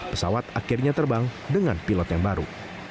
pesawat akhirnya terbang dengan pilot yang baru